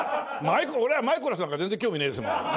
俺はマイコラスなんか全然興味ねえですもん。